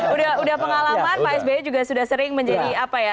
udah pengalaman pak sby juga sudah sering menjadi apa ya